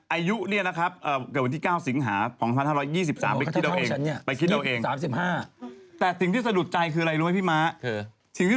อายุเนี่ยนะครับเกือบวันที่๙สิงหาของ๑๕๒๓ไปคิดเอาเอง